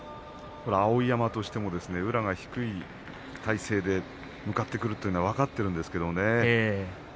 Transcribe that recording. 碧山としても宇良が低い体勢で向かってくるというのは分かってるんですね。